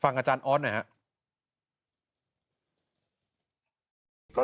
ฟังอาจารย์อ๊อสนะครับ